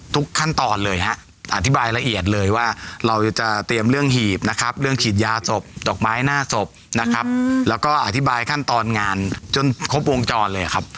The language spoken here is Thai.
ทุกขั้นตอนเลยฮะอธิบายละเอียดเลยว่าเราจะเตรียมเรื่องหีบนะครับเรื่องฉีดยาศพดอกไม้หน้าศพนะครับแล้วก็อธิบายขั้นตอนงานจนครบวงจรเลยครับ